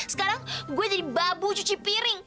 sekarang gue jadi babu cuci piring